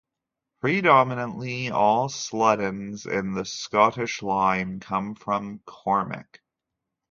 Predominantly, all Sluddens in the Scottish line come from Cormick.